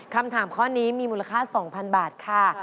คำถามข้อนี้มีมูลค่า๒๐๐๐บาทค่ะ